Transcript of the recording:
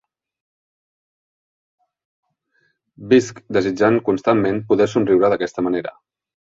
Visc desitjant constantment poder somriure d'aquesta manera.